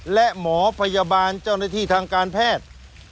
และหมอพยาบาลเจ้าหน้าที่ทางการแพทย์